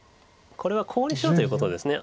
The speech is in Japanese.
これはコウにしようということです。